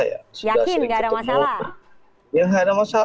yakin nggak ada masalah